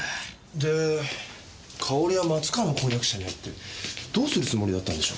でかおりは松川の婚約者に会ってどうするつもりだったんでしょう。